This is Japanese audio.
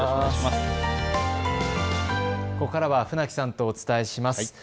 ここからは船木さんとお伝えします。